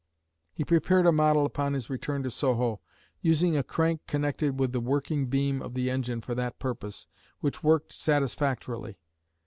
He prepared a model upon his return to Soho, using a crank connected with the working beam of the engine for that purpose, which worked satisfactorily.